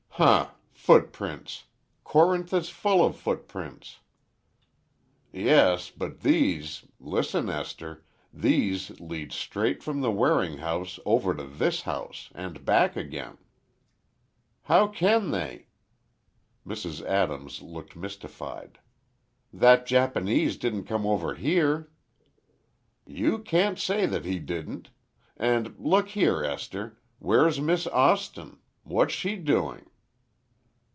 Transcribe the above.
"Huh! footprints! Corinth is full of footprints." "Yes, but these—listen, Esther—these lead straight from the Waring house, over to this house. And back again." "How can they?" Mrs. Adams looked mystified. "That Japanese didn't come over here." "You can't say that he didn't. And, look here, Esther, where's Miss Austin? What's she doing?"